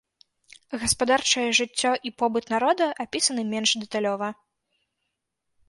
Гаспадарчае жыццё і побыт народа апісаны менш дэталёва.